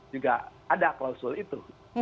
juga ada klausul itu